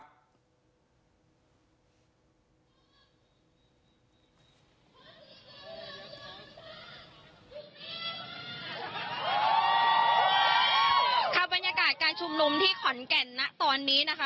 ค่ะบรรยากาศการชุมนุมที่ขอนแก่นนะตอนนี้นะคะ